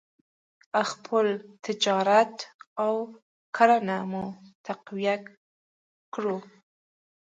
خپل تجارت او کرنه مو تقویه کړو.